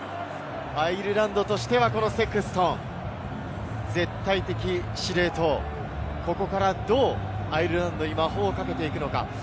アイルランドとしてはセクストン、絶対的司令塔、ここからどうアイルランドに魔法をかけていくのか？